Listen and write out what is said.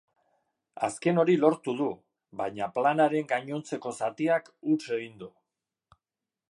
Azken hori lortu du, baina planaren gainontzeko zatiak huts egin du.